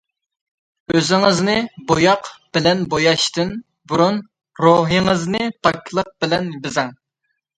ئۆزىڭىزنى بوياق بىلەن بوياشتىن بۇرۇن روھىڭىزنى پاكلىق بىلەن بېزەڭ.